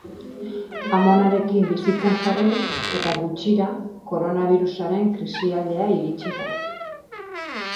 Amonarekin bizitzen jarri eta gutxira, koronabirusaren krisialdia iritsi da.